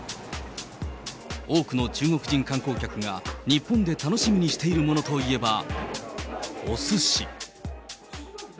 多くの中国人観光客が、日本で楽しみにしているものといえば、おすし。